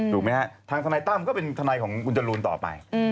ถูกไหมฮะทางทนายตั้มก็เป็นทนายของคุณจรูนต่อไป